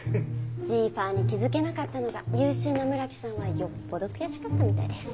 ジーファーに気づけなかったのが優秀な村木さんはよっぽど悔しかったみたいです。